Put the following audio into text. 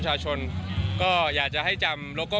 ท่านบุคคลาสมัคร